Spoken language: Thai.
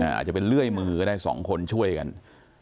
อ่าอาจจะเป็นเลื่อยมือก็ได้สองคนช่วยกันอ่า